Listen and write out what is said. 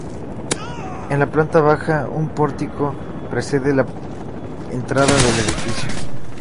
En la planta baja, un pórtico precede la entrada del edificio.